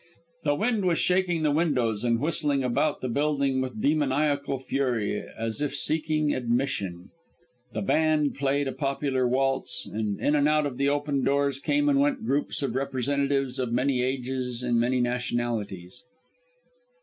The wind was shaking the windows, and whistling about the building with demoniacal fury as if seeking admission; the band played a popular waltz; and in and out of the open doors came and went groups representative of many ages and many nationalities.